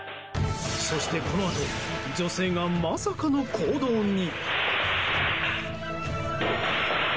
そして、このあと女性がまさかの行動に。